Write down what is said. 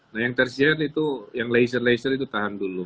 nah yang tersier itu yang leisure leisure itu tahan dulu